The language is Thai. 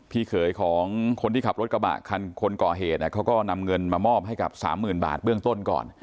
เขยของคนที่ขับรถกระบะคันคนก่อเหตุเขาก็นำเงินมามอบให้กับสามหมื่นบาทเบื้องต้นก่อน